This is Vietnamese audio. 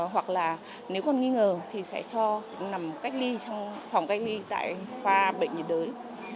hoặc là nếu còn nghi ngờ thì sẽ cho nằm cách ly trong phòng cách ly tại khoa bệnh nhiệt đới